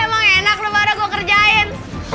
emang enak lu baru gue kerjain